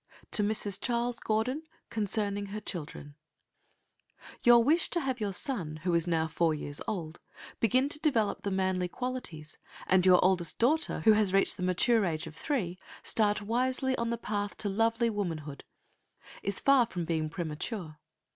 To Mrs. Charles Gordon Concerning Her Children Your wish to have your son, who is now four years old, begin to develop the manly qualities, and your oldest daughter, who has reached the mature age of three, start wisely on the path to lovely womanhood, is far from being premature.